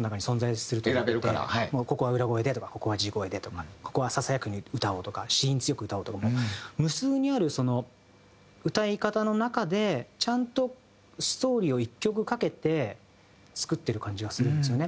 ここは裏声でとかここは地声でとかここはささやくように歌おうとか子音強く歌おうとか無数にある歌い方の中でちゃんとストーリーを１曲かけて作っている感じがするんですよね。